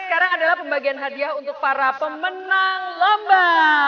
sekarang adalah pembagian hadiah untuk para pemenang lomba